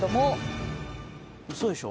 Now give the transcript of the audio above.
「ウソでしょ？